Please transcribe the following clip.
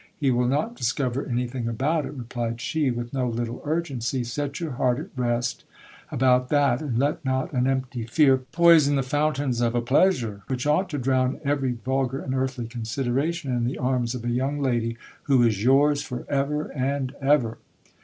He will not discover j.nything about it, replied she with no little urgency ; set your heart at rest f.bout that, and let not an empty fear poison the fountains of a pleasure, which ought to drown every vulgar and earthly consideration in the arms of a young lady who is yours for ever and ever.